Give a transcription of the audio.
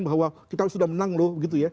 bahwa kita sudah menang loh begitu ya